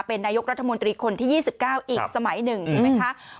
เป็นนายกรัฐมนตรีคนที่๒๙อีกสมัยหนึ่งถูกไหมคะ